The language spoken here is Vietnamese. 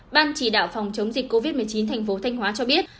ban chỉ đạo phòng chống dịch covid một mươi chín thành phố thanh hóa cho biết